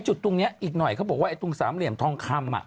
จุดตรงนี้อีกหน่อยเขาบอกว่าไอ้ตรงสามเหลี่ยมทองคำ